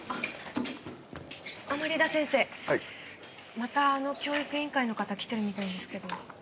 またあの教育委員会の方来てるみたいですけど。